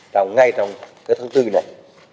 đó là ngay trong cái tháng bốn này